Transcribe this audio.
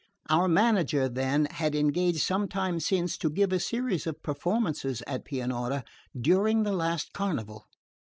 Our manager, then, had engaged some time since to give a series of performances at Pianura during the last carnival.